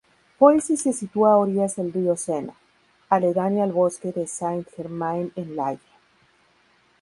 Poissy se sitúa a orillas del río Sena, aledaña al bosque de Saint-Germain-en-Laye.